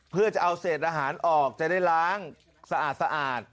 เพื่อจะเอาเศษอาหารออกจะได้ล้างสะอาด